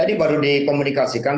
jadi baru di komunikasikan